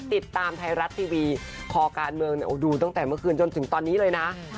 ติดตามไทยรัฐทีวีคอการเมืองดูตั้งแต่เมื่อคืนจนถึงตอนนี้เลยนะ